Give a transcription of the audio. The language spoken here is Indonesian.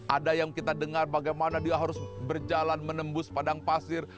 ada yang kita dengar bagaimana dia harus berjalan menembus padang pasir